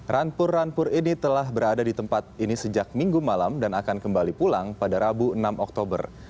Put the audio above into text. rampur rampur ini telah berada di tempat ini sejak minggu malam dan akan kembali pulang pada rabu enam oktober